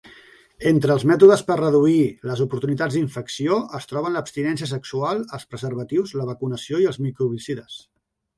Entre els mètodes per reduir les oportunitats d"infecció es troben l"abstinència sexual, els preservatius, la vacunació i els microbicides.